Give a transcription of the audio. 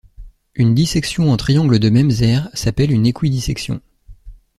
Une dissection en triangles de mêmes aires s'appelle une équidissection.